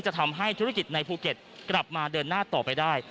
จะทำให้ธุรกิจในภูเก็ตกลับมาเดินหน้าต่อไปได้